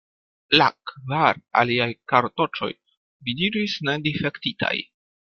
La kvar aliaj kartoĉoj vidiĝis ne difektitaj.